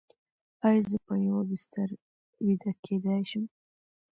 ایا زه په یوه بستر ویده کیدی شم؟